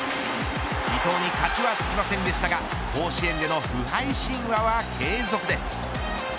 伊藤に勝ちはつきませんでしたが甲子園での不敗神話は継続です。